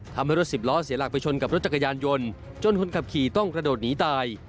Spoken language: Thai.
ทำให้รถสิบล้อเสียหลักไปชนกับรถจักรยานยนต์จนคนขับขี่ต้องกระโดดหนีตาย